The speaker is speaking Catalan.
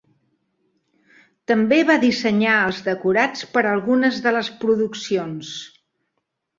També va dissenyar els decorats per algunes de les produccions.